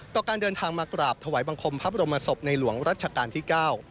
การเดินทางมากราบถวายบังคมพระบรมศพในหลวงรัชกาลที่๙